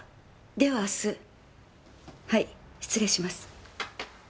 では明日はい失礼します。